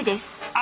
あ！